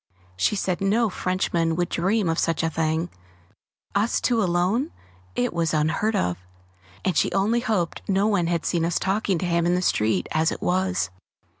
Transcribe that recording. She said no Frenchman would dream of such a thing us two alone it was unheard of! and she only hoped no one had seen us talking to him in the street as it was!